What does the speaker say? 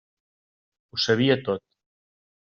Ho sabia tot.